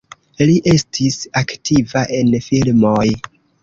Li estis aktiva en filmoj.